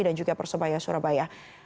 dan juga persebaya surabaya